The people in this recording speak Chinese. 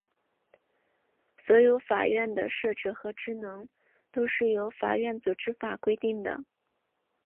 所有法院的设置和职能都是由法院组织法规定的。